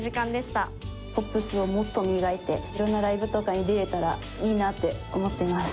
ポップスをもっと磨いて色んなライブとかに出られたらいいなって思っています。